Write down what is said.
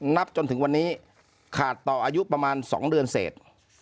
นับจนถึงวันนี้ขาดต่ออายุประมาณ๒เดือนเสร็จ